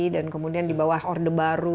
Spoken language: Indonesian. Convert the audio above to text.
dan kemudian di bawah orde baru